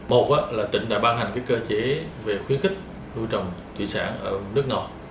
một là tỉnh đã ban hành cơ chế về khuyến khích nuôi trồng thủy sản ở nước nọ